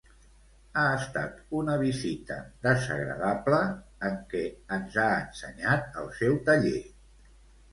Ha estat una visita desagradable en què ens ha ensenyat el seu taller.